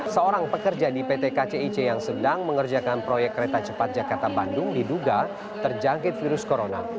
seorang pekerja di pt kcic yang sedang mengerjakan proyek kereta cepat jakarta bandung diduga terjangkit virus corona